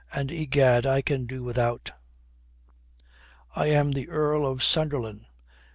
And, egad, I can do without." "I am the Earl of Sunderland."